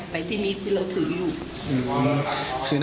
ไปที่มีดที่เราถืออยู่